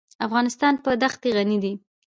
افغانستان په دښتې غني دی.